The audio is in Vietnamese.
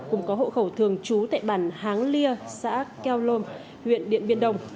cùng có hộ khẩu thường trú tại bản háng lia xã keo lom huyện điện biên đồng